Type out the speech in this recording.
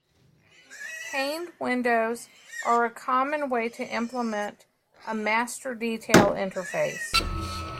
Paned windows are a common way to implement a master-detail interface.